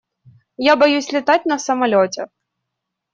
Я боюсь летать на самолёте.